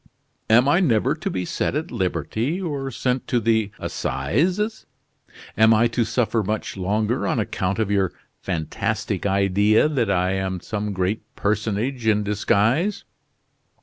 Am I never to be set at liberty or sent to the assizes. Am I to suffer much longer on account of your fantastic idea that I am some great personage in disguise?"